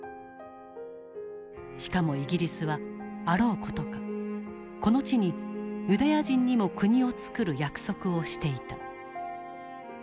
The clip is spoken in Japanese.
しかもイギリスはあろう事かこの地にユダヤ人にも国をつくる約束をしていた。